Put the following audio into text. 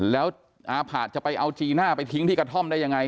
แล้วอาผะจะไปเอาจีน่าไปทิ้งที่กระท่อมได้ยังไง